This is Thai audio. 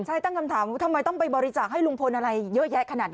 ใช่ตั้งคำถามว่าทำไมต้องไปบริจาคให้ลุงพลอะไรเยอะแยะขนาดนี้